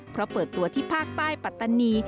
เพราะเปิดตัวที่ภาคใต้ปัตตานี